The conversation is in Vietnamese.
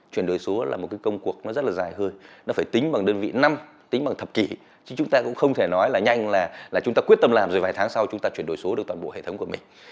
chuyển đổi số là một công cuộc nó rất là dài hơi nó phải tính bằng đơn vị năm tính bằng thập kỷ chứ chúng ta cũng không thể nói là nhanh là chúng ta quyết tâm làm rồi vài tháng sau chúng ta chuyển đổi số được toàn bộ hệ thống của mình